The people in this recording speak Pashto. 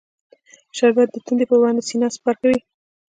شربت د تندې پر وړاندې سینه سپر کوي